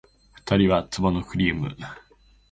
二人は壺のクリームを、顔に塗って手に塗って